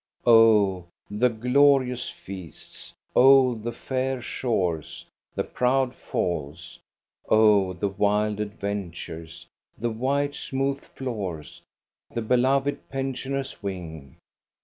Oh, the glorious feasts ! Oh, the fair shores, the proud falls! Oh, the wild adventures, the white, smooth floors, the beloved pensioners' wing